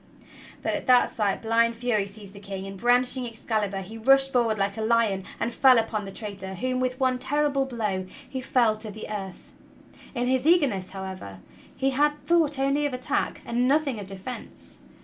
But at that sight blind fury seized the King, and, brandishing Excalibur, he rushed forward like a lion and fell upon the traitor whom, with one terrible blow, he felled to the earth. In his eager ness, however, he had thought only of attack and nothing of defense.